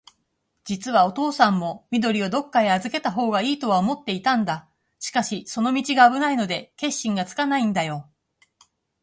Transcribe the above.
じつはおとうさんも、緑をどっかへあずけたほうがいいとは思っていたんだ。しかし、その道があぶないので、決心がつかないんだよ。